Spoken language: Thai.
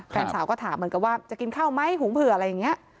แฟนสาวก็ถามเหมือนกับว่าจะกินข้าวไหมหุงเผื่ออะไรอย่างนี้